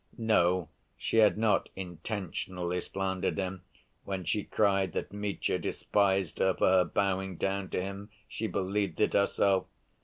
No, she had not intentionally slandered him when she cried that Mitya despised her for her bowing down to him! She believed it herself.